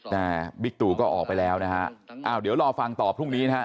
แต่บิ๊กตู่ก็ออกไปแล้วนะฮะอ้าวเดี๋ยวรอฟังต่อพรุ่งนี้นะฮะ